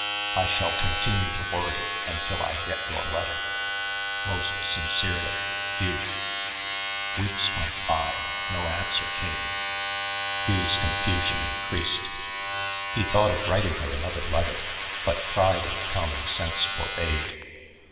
I shall continue to worry until I get your letter. Most sincerely, HUGH. Weeks went by and no answer came. Hugh's confusion increased. He thought of writing her another letter, but pride and common sense forbade.